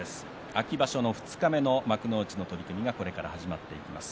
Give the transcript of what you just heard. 秋場所の二日目の幕内の取組がこれから始まっていきます。